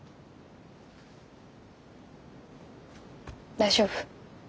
大丈夫？